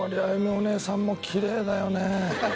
おねえさんもきれいだよね。